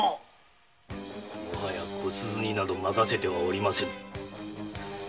もはや小鈴になど任せてはおりませぬ。